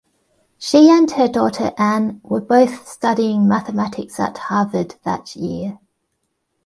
She and her daughter Anne were both studying mathematics at Harvard that year.